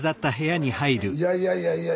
いやいやいやいや。